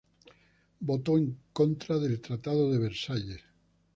Votó en contra del Tratado de Versalles.